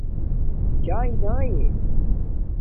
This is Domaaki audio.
چایے ناݵے